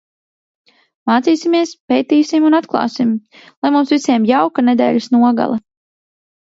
Mācīsimies, pētīsim un atklāsim. Lai mums visiem jauka nedēļas nogale!